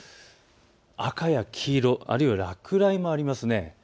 赤や黄色あるいは落雷もあります。